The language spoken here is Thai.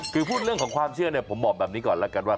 คือพูดเรื่องของความเชื่อเนี่ยผมบอกแบบนี้ก่อนแล้วกันว่า